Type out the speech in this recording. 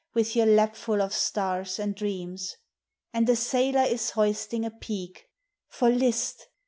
With your lapful of stars and dreams), And a sailor is hoisting a peak: For list